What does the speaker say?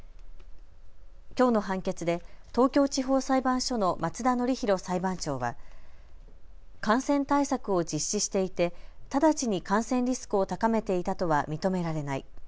きょうの判決で東京地方裁判所の松田典浩裁判長は感染対策を実施していて直ちに感染リスクを高めていたとは認められない。